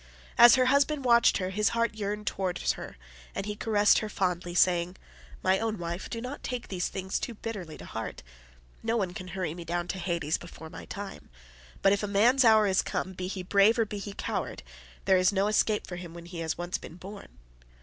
As her husband watched her his heart yearned towards her and he caressed her fondly, saying, "My own wife, do not take these things too bitterly to heart. No one can hurry me down to Hades before my time, but if a man's hour is come, be he brave or be he coward, there is no escape for him when he has once been born.